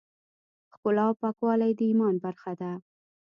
ښکلا او پاکوالی د ایمان برخه ده.